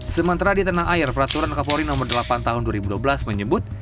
sementara di tanah air peraturan kapolri nomor delapan tahun dua ribu dua belas menyebut